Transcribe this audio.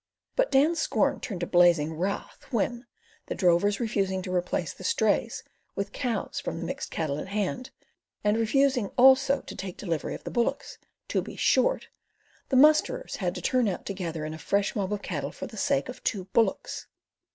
But Dan's scorn turned to blazing wrath, when—the drovers refusing to replace the "strays" with cows from the mixed cattle in hand, and refusing also to take delivery of the bullocks, two beasts short—the musterers had to turn out to gather in a fresh mob of cattle for the sake of two bullocks.